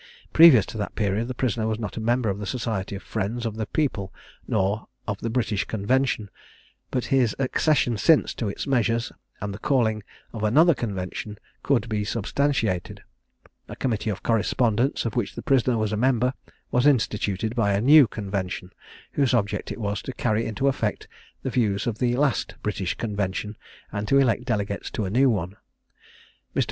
Previous to that period, the prisoner was not a member of the Society of Friends of the People, nor of the British Convention; but his accession since to its measures, and the calling of another Convention, could be substantiated. A Committee of Correspondence, of which the prisoner was a member, was instituted by a new Convention, whose object it was to carry into effect the views of the last British Convention, and to elect delegates to a new one. Mr.